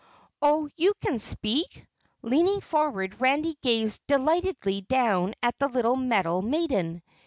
"Oh, you can speak?" Leaning forward, Randy gazed delightedly down at the little metal maiden.